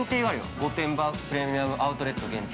御殿場プレミアム・アウトレット限定。